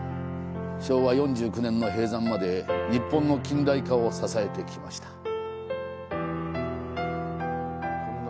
昭和４９年の閉山まで、日本の近代化を支えてきました。